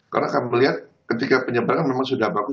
karena kamu lihat ketika penyebrangan memang sudah bagus